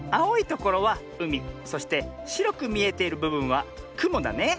ところはうみそしてしろくみえているぶぶんはくもだね。